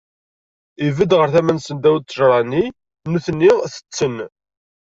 Ibedd ɣer tama-nsen, ddaw n ṭṭajṛa-nni, nutni tetten.